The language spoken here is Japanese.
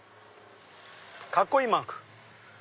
カッコいいマーク。